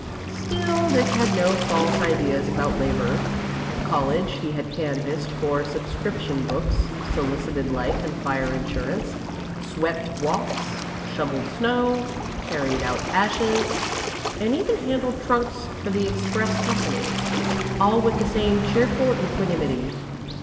Still, Dick had no false ideas about labour. At college he had canvassed for subscription books, solicited life and fire insurance, swept walks, shovelled snow, carried out ashes, and even handled trunks for the express company, all with the same cheerful equanimity.